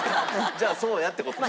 じゃあそうやって事ね。